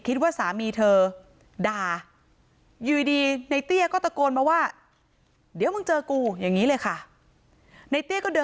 ผ่านไป๑๐นาที